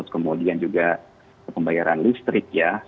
kemudian juga pembayaran listrik ya